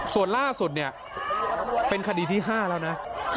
ส่วนล่าสุดเนี่ยเป็นคดีที่๕แล้วนะ